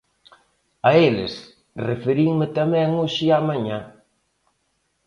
A eles referinme tamén hoxe á mañá.